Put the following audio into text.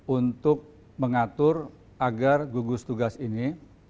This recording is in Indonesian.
untuk mengatur agar gugus tugas ini